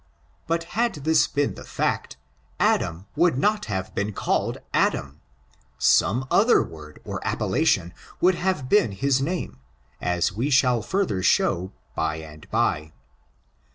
But had this been the fact, Adain would not have been called Adam ; some other word or appellation would have been his name, as we shall further show bye and bye.